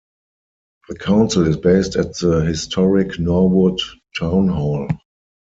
The council is based at the historic Norwood Town Hall.